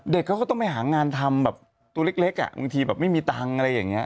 ก็ต้องไปหางานทำแบบตัวเล็กบางทีแบบไม่มีตังค์อะไรอย่างนี้